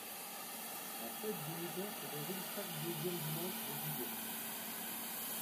La fête du mouton se déroule chaque deuxième dimanche de juillet.